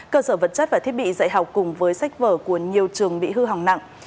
cơ sở vật chất và thiết bị dạy học cùng với sách vở của nhiều trường bị hư hỏng nặng